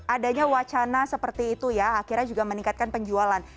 adanya wacana seperti itu ya akhirnya juga meningkatkan penjualan